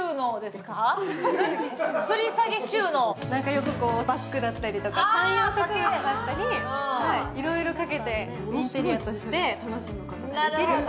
よくバッグだったり観葉植物だったり、いろいろかけてインテリアとして楽しめることができる。